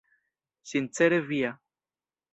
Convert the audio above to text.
Sincere via.